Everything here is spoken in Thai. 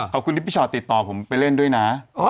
ขอบคุณที่พี่ชอตติดต่อผมไปเล่นด้วยนะ